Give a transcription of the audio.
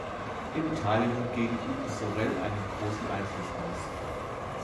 In Italien hingegen übte Sorel einen großen Einfluss aus.